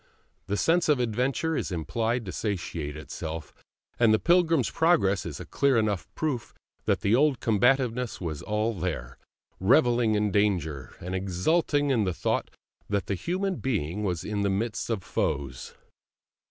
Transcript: The sense of adventure is impelled to satiate itself, and the Pilgrim's Progress is a clear enough proof that the old combativeness was all there, revelling in danger, and exulting in the thought that the human being was in the midst of foes.